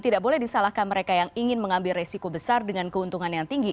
tidak boleh disalahkan mereka yang ingin mengambil resiko besar dengan keuntungan yang tinggi